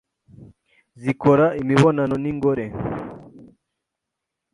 zikora imibonano n’ingore